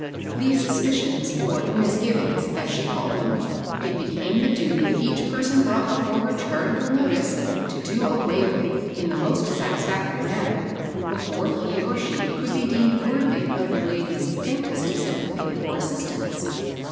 These suspicions, or "misgivings,*' as she called them, it became the duty of each per son brought before her charitable notice to do away with in the most satisfactory manner, before Jbe or she could be deemed worthy of the lady's faintest sympathy or assistance.